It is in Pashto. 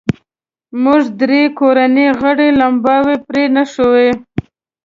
موږ درې کورنیو غړو لمباوې پرې نښوې.